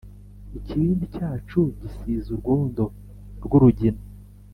Ikibindi cyacu gisize urwondo rwu rugina.